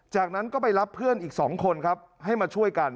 จากนั้นก็ไปรับเพื่อนอีก๒คนครับให้มาช่วยกัน